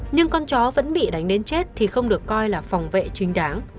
nhưng con chó vẫn bị đánh đến chết thì không được coi là phòng vệ chính đáng